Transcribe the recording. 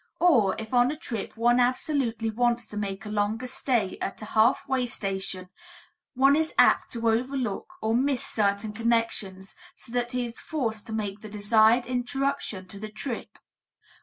Or, if on a trip one absolutely wants to make a longer stay at a half way station, one is apt to overlook or miss certain connections, so that he is forced to make the desired interruption to the trip.